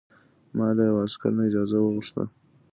ما له یوه عسکر نه اجازه وغوښته.